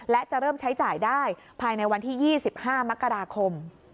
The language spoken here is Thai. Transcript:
และจะเริ่มใช้จ่ายได้ภายในวันที่๒๕มกราคม